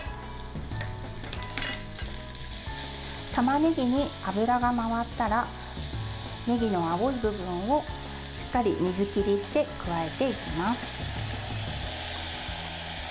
たまねぎに油が回ったらねぎの青い部分をしっかり水切りして加えていきます。